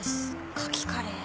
「カキカレー」